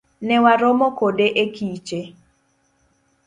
Newaromo kode e kiche.